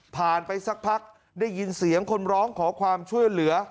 ไปสักพักได้ยินเสียงคนร้องขอความช่วยเหลือ